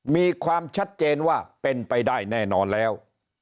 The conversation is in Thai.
มีความชัดเจนว่าเป็นไปได้แน่นอนแล้ว